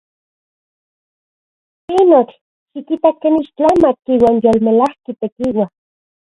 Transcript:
¡Pinotl! ¡Xikita ken ixtlamatki uan yolmelajki tekiua!